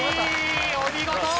お見事！